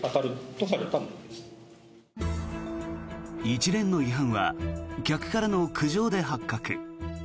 一連の違反は客からの苦情で発覚。